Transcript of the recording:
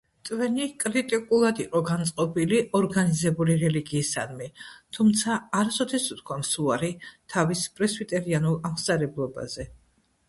ტვენი კრიტიკულად იყო განწყობილი ორგანიზებული რელიგიისადმი, თუმცა არასოდეს უთქვამს უარი თავის პრესვიტერიანულ აღმსარებლობაზე.